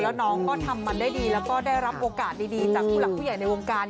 แล้วน้องก็ทำมันได้ดีแล้วก็ได้รับโอกาสดีจากผู้หลักผู้ใหญ่ในวงการ